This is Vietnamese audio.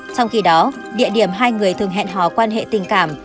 trong khi đó địa điểm hai người thường hẹn hò quan hệ tình cảm